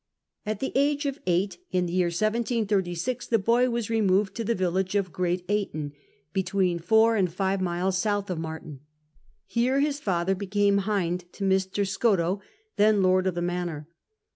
At the age of eight* in the year 1736, the boy was removed to the village of Great Ayton, between four and five miles south of Marton. Hero his father became hind to Mr. Skottowe, then lord of the manor.